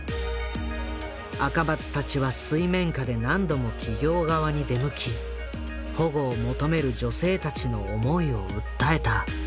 赤松たちは水面下で何度も企業側に出向き保護を求める女性たちの思いを訴えた。